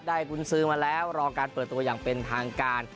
กุญซื้อมาแล้วรอการเปิดตัวอย่างเป็นทางการ